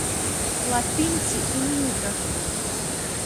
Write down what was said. Латинці і мені враги.